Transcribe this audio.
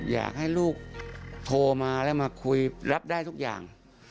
อยากให้ลูกโทรมาแล้วมาคุยรับได้ทุกอย่าง